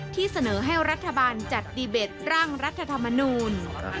ที่เสนอให้รัฐบาลจัดดีเบตร่างรัฐธรรมนูล